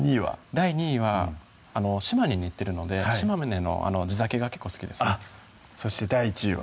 第２位は島根に行ってるので島根の地酒が結構好きですそして第１位は？